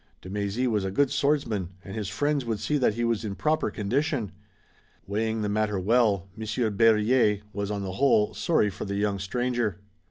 De Mézy was a good swordsman, and his friends would see that he was in proper condition. Weighing the matter well, Monsieur Berryer was, on the whole, sorry for the young stranger.